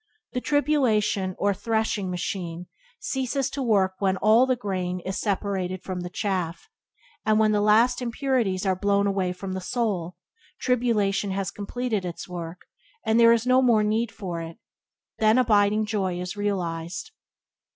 The tribulum, or threshing machine, ceases to work when all the grain is separated from chaff; and when the last impurities are blown away from the soul, tribulation has completed its work, and there is no more need for it; then abiding joy is realized.